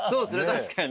確かに。